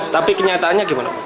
tapi kenyataannya gimana